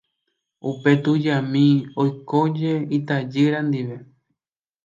Upe tujami oikóje itajýra ndive.